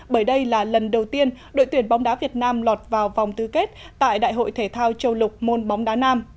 bởi đây là lần đầu tiên đội tuyển bóng đá việt nam lọt vào vòng tư kết tại đại hội thể thao châu lục môn bóng đá nam